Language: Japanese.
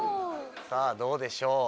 さぁどうでしょう？